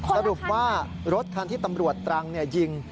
สรุปว่ารถคันที่ตำรวจตรังยิง